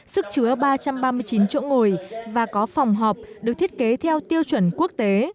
sức chứa ba trăm ba mươi chín chỗ ngồi và có phòng họp được thiết kế theo tiêu chuẩn quốc tế